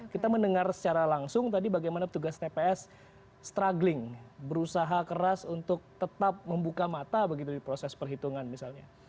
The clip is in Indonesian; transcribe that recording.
kita mendengar secara langsung tadi bagaimana tugas tps struggling berusaha keras untuk tetap membuka mata begitu di proses perhitungan misalnya